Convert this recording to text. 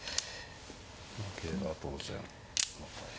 桂は当然。